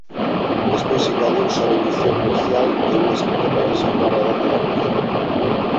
Despois engadiuse a bendición nupcial e un escrito para asegurar a dote da muller.